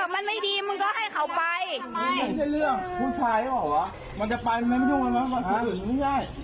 มันจะไปเหรอมันจะไปถึงที่ไหนนะ